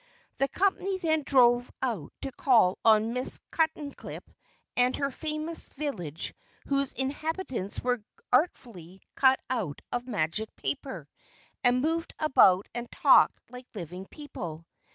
The company then drove out to call on Miss Cuttenclip and her famous village whose inhabitants were artfully cut out of magic paper and moved about and talked like living people.